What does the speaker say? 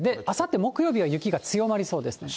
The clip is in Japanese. あさって木曜日は雪が強まりそうです。